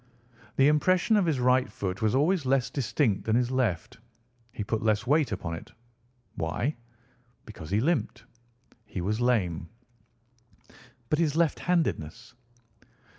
"The impression of his right foot was always less distinct than his left. He put less weight upon it. Why? Because he limped—he was lame." "But his left handedness."